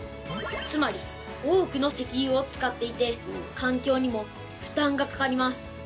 つまり多くの石油を使っていて環境にも負担がかかります。